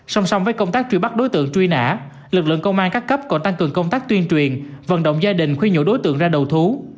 song song với công tác truy bắt đối tượng truy nã lực lượng công an các cấp còn tăng cường công tác tuyên truyền vận động gia đình khuyên nhộ đối tượng ra đầu thú